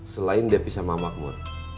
selain depi sama makmur